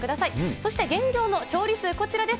そして現状の勝利数こちらです。